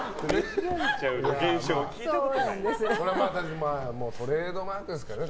もう、トレードマークですからね